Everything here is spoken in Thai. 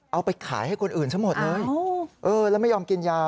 เอาไปขายให้คนอื่นซะหมดเลยเออแล้วไม่ยอมกินยา